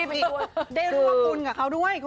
เป็นรอบบุญกับเค้าด้วย